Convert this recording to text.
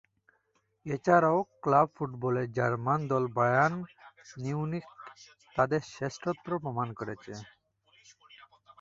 এছাড়াও ক্লাব ফুটবলে জার্মান দল বায়ার্ন মিউনিখ তাদের শ্রেষ্ঠত্ব প্রমাণ করেছে।